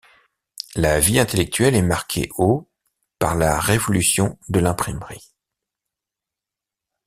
La vie intellectuelle est marquée au par la révolution de l'imprimerie.